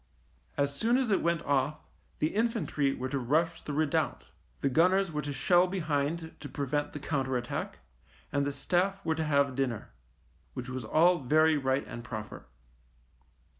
As soon as it went off the infantry were to rush the redoubt, the gunners were to shell behind to prevent the counter attack, and the staff THE MINE 99 were to have dinner. Which was all very right and proper.